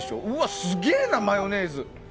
すげえなマヨネーズ。